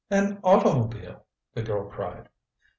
"An automobile!" the girl cried.